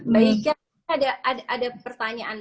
baik ya ada pertanyaan